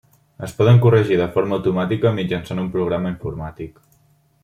Es poden corregir de forma automàtica mitjançant un programa informàtic.